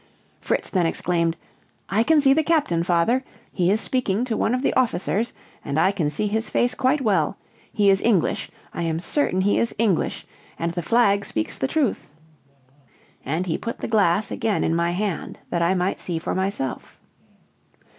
Fritz then exclaimed: "I can see the captain, father; he is speaking to one of the officers, and I can see his face quite well; he is English, I am certain he is English, and the flag speaks the truth!" and he put the glass again in my hand that I might see for myself.